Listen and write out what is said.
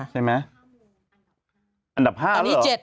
ใช่ไหม